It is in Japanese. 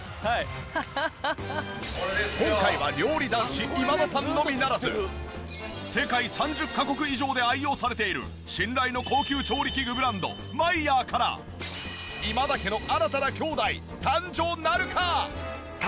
今回は料理男子今田さんのみならず世界３０カ国以上で愛用されている信頼の高級調理器具ブランドマイヤーから今田家の新たなきょうだい誕生なるか！？